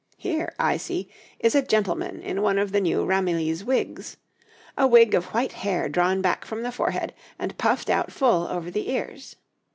Here, I see, is a gentleman in one of the new Ramillies wigs a wig of white hair drawn back from the forehead and puffed out full over the ears.